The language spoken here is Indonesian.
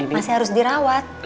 masih harus dirawat